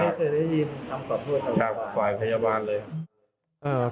ค่ะฝ่ายพยาบาลเลย